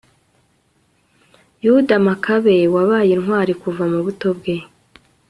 yuda makabe, wabaye intwari kuva mu buto bwe